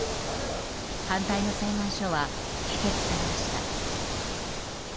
反対の請願書は否決されました。